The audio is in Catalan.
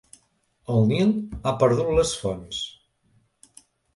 El Nil ha perdut les fonts.